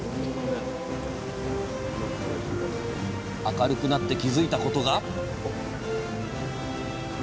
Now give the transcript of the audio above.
明るくなって気付いたことが！